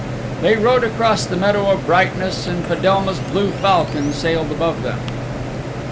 They rode across the Meadow of Brightness and Fedelma's blue falcon sailed above them.